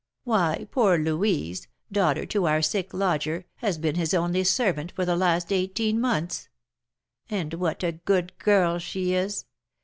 Why, poor Louise, daughter to our sick lodger, has been his only servant for the last eighteen months. And what a good girl she is!